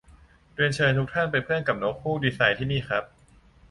เริยญเชิญทุกท่าน เป็นเพื่อนกับนกฮูกดีไซน์ ที่นี่ครับ